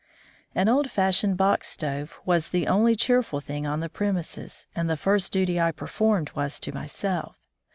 An old fashioned box stove was the only cheerful thing on the premises, and the first duty I performed was to myself.